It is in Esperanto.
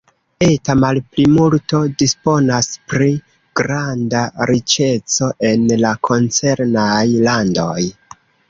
Eta malplimulto disponas pri granda riĉeco en la koncernaj landoj.